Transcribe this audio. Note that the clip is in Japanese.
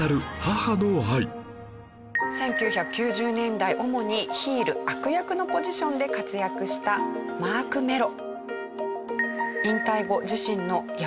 １９９０年代主にヒール悪役のポジションで活躍したマーク・メロ。